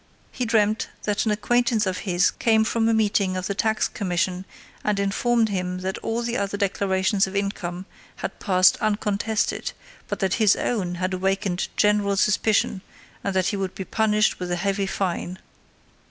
He dreamt that an acquaintance of his came from a meeting of the tax commission and informed him that all the other declarations of income had passed uncontested, but that his own had awakened general suspicion, and that he would be punished with a heavy fine.